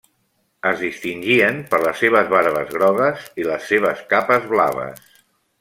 Es distingien per les seves barbes grogues i les seves capes blaves.